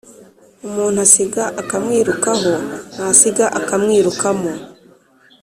Umuntu asiga akamwirukaho ntasiga akamwirukamo.